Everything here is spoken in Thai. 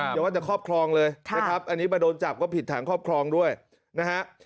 อย่าว่าจะครอบครองเลยนะครับอันนี้มาโดนจับก็ผิดฐานครอบครองด้วยนะฮะ